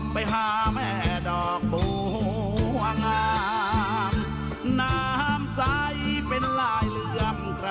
ไปหาแม่ดอกบวงอ่างามน้ำใส่เป็นลายเหลือย่ำ